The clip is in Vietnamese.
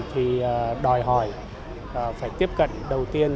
thì đòi hỏi phải tiếp cận đầu tiên